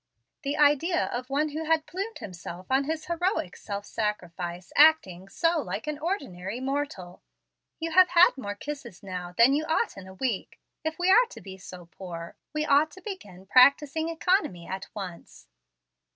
"The idea of one who had plumed himself on his heroic self sacrifice acting so like an ordinary mortal! You have had more kisses now than you ought in a week. If we are to be so poor, we ought to begin practising economy at once."